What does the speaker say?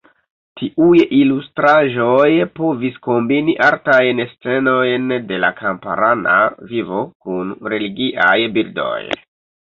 Tiuj ilustraĵoj povis kombini artajn scenojn de la kamparana vivo kun religiaj bildoj.